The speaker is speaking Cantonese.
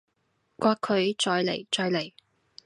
摑佢！再嚟！再嚟！